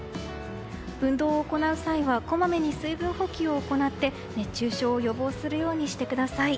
運動を行う際はこまめに水分補給を行って熱中症を予防するようにしてください。